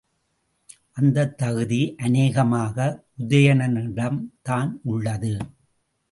அந்தத் தகுதி அநேகமாக உதயணனிடம் தான் உள்ளது.